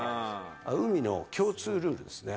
海の共通ルールですね。